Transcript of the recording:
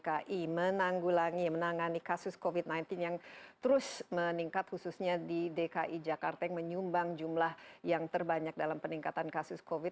saya ingin mengucapkan terima kasih kepada pak waguh yang mengumbang jumlah yang terbanyak dalam peningkatan kasus covid